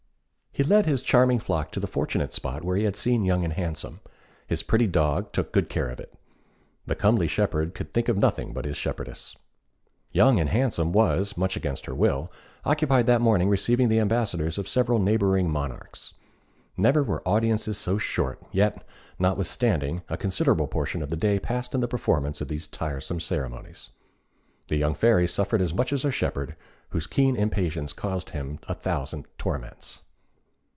He led his charming flock to the fortunate spot where he had seen Young and Handsome; his pretty dog took good care of it. The comely shepherd could think of nothing but his shepherdess. Young and Handsome was, much against her will, occupied that morning receiving the ambassadors of several neighbouring monarchs. Never were audiences so short; yet, notwithstanding, a considerable portion of the day passed in the performance of these tiresome ceremonies. The young Fairy suffered as much as her shepherd, whose keen impatience caused him a thousand torments.